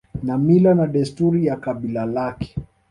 na mila na desturi ya kabila lake